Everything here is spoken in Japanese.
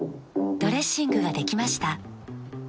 ドレッシングができました。